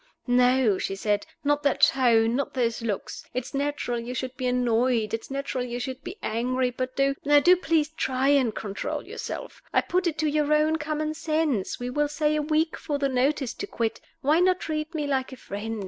"No," she said. "Not that tone; not those looks. It's natural you should be annoyed; it's natural you should be angry. But do now do please try and control yourself. I put it to your own common sense (we will say a week for the notice to quit) why not treat me like a friend?